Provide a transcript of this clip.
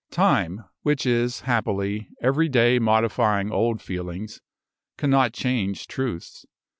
Time, which is, happily, every day modifying old feelings, cannot change truths.